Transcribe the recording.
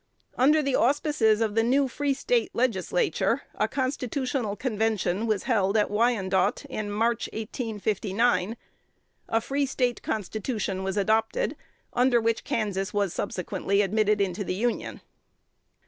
Under the auspices of the new Free State Legislature, a constitutional convention was held at Wyandotte, in March, 1859. A Free State constitution was adopted, under which Kansas was subsequently admitted into the Union.